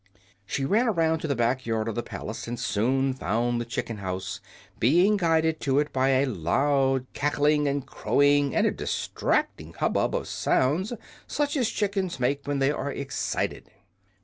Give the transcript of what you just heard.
She ran around to the back yard of the palace and soon found the chicken house, being guided to it by a loud cackling and crowing and a distracting hubbub of sounds such as chickens make when they are excited.